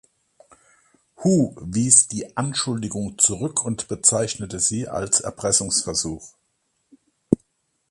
Hu wies die Anschuldigung zurück und bezeichnete sie als Erpressungsversuch.